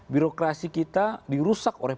birokrasi kita dirusak oleh